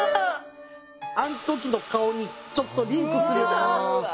あん時の顔にちょっとリンクする。